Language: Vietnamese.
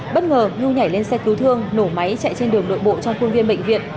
bất ngờ nhu nhảy lên xe cứu thương nổ máy chạy trên đường nội bộ trong khuôn viên bệnh viện